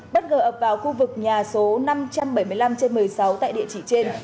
bất ngờ ập vào khu vực nhà số năm trăm bảy mươi năm trên một mươi sáu tại địa chỉ trên